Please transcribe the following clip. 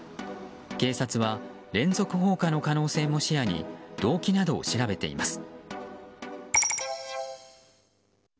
警察は連続放火の可能性も視野に動機などを調べています。